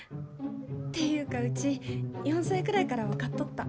ていうかうち４歳くらいから分かっとった。